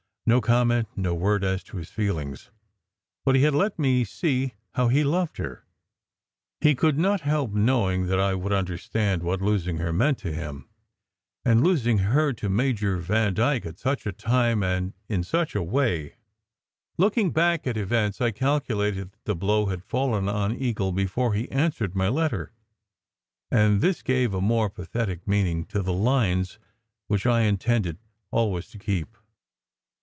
No comment, no word as to his feelings. But he had let me see how he loved her. He could not help knowing that I SECRET HISTORY 153 would understand what losing her meant to him and losing her to Major Vandyke, at such a time and in such a way. Looking back at events, I calculated that the blow had fallen on Eagle before he answered my letter, and this gave a more pathetic meaning to the lines which I intended always to keep.